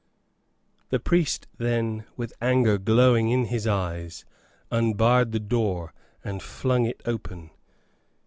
The priest then, with anger glowing in his eyes, unbarred the door, and flung it open.